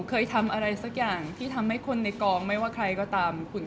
เพราะว่าสิ่งเหล่านี้มันเป็นสิ่งที่ไม่มีพยาน